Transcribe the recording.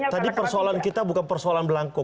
tadi persoalan kita bukan persoalan belangko